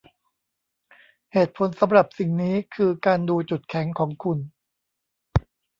เหตุผลสำหรับสิ่งนี้คือการดูจุดแข็งของคุณ